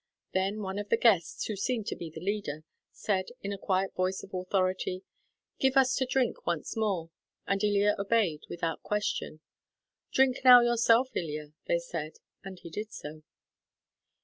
Then one of the guests, who seemed to be the leader, said in a quiet voice of authority, "Give us to drink once more," and Ilya obeyed without question. "Drink now yourself, Ilya," they said, and he did so.